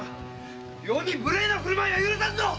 余に無礼な振るまいは許さんぞ‼